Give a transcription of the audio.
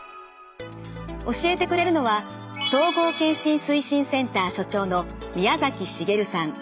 教えてくれるのは総合健診推進センター所長の宮崎滋さん。